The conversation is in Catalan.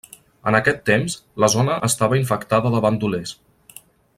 En aquest temps la zona estava infectada de bandolers.